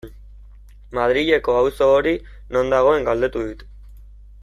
Madrileko auzo hori non dagoen galdetu dit.